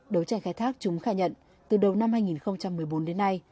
đấu tranh khai thác chúng khai nhận từ đầu năm hai nghìn một mươi bốn đến nay